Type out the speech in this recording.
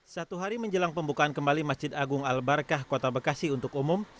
satu hari menjelang pembukaan kembali masjid agung al barkah kota bekasi untuk umum